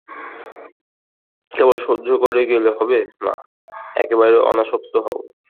কেবল সহ্য করে গেলে হবে না, একেবারে অনাসক্ত হও।